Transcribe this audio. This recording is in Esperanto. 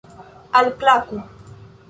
alklaku